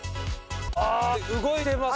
あ動いてます！